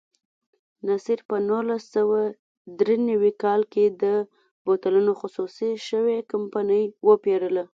نصیر په نولس سوه درې نوي کال کې د بوتلونو خصوصي شوې کمپنۍ وپېرله.